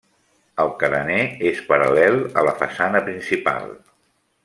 El carener és paral·lel a la façana principal.